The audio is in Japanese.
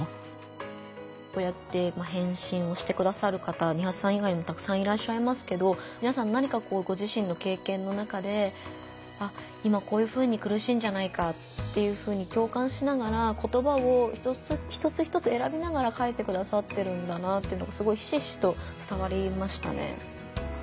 こうやって返信をしてくださる方ニハチさん以外にもたくさんいらっしゃいますけどみなさん何かご自身の経験の中で今こういうふうにくるしいんじゃないかっていうふうに共感しながら言葉を一つ一つえらびながら書いてくださってるんだなっていうのがすごいひしひしとつたわりましたね。